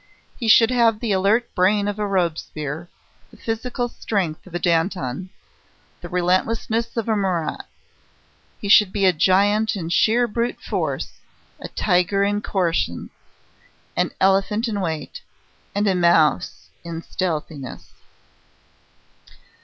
He should have the alert brain of a Robespierre, the physical strength of a Danton, the relentlessness of a Marat. He should be a giant in sheer brute force, a tiger in caution, an elephant in weight, and a mouse in stealthiness!